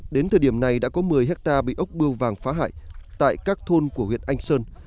đến thời điểm này đã có một mươi hectare bị ốc bưu vàng phá hại tại các thôn của huyện anh sơn